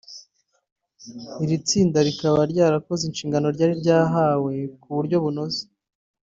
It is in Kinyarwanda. Iri tsinda rikaba ryarakoze inshingano ryari ryahawe ku buryo bunoze